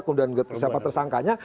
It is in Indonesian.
kemudian siapa tersangkanya